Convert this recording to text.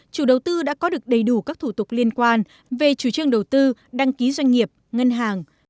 chủ đầu tư đã có được đầy đủ các thủ tục liên quan về chủ trương đầu tư đăng ký doanh nghiệp ngân hàng